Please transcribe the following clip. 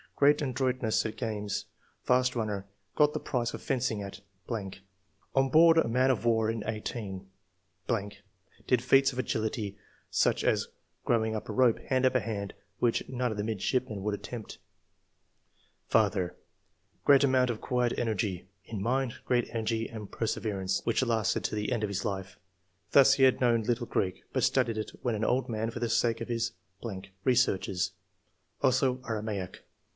Great adroitness at games ; fast runner ; got the prize for fencing at ... On G 2 84 ENGLISH MEN OF SCIENCE. [chap. board a man of war in 1 8 .. did feats of agility, such as going up a rope hand over hand, which none of the midshipmen would attempt. " Father — Great amount of quiet energy. In mind, great energy and perseverance, which lasted to the end of his life. Thus he had known little Greek, but studied it when an old man for the sake of his ... researches ; also Aramaic.